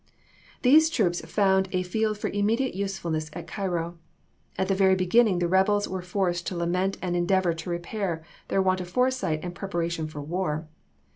These troops found a field for immediate useful ness at Cairo. At the very beginning the rebels were forced to lament and endeavor to repau^ their want of foresight and preparation for war.